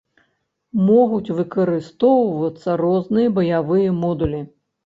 Могуць выкарыстоўвацца розныя баявыя модулі.